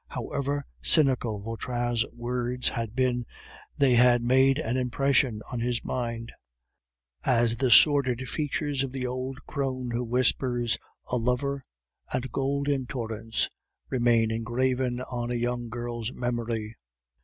However cynical Vautrin's words had been, they had made an impression on his mind, as the sordid features of the old crone who whispers, "A lover, and gold in torrents," remain engraven on a young girl's memory.